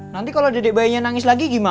nanti kalau dedek bayinya nangis lagi gimana